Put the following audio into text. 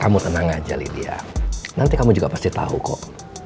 kamu tenang aja lydia nanti kamu juga pasti tau kok